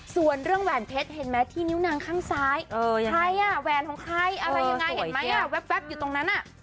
ส่วนเรื่องแหวนเพชรเห็นไหมที่นิ้วนางข้างซ้ายใครอ่ะแหวนของใครอะไรยังไงเห็นไหมแว๊บอยู่ตรงนั้น